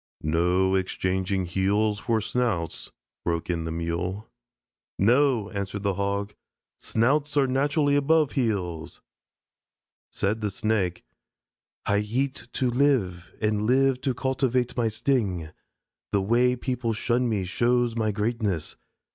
"No exchanging heels for snouts," broke in the Mule. "No," answered the Hog; "snouts are naturally above heels." Said the Snake: "I eat to live, and live to cultivate my sting. The way people shun me shows my greatness.